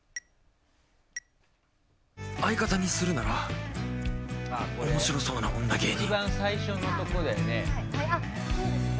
相方にするなら面白そうな女芸人。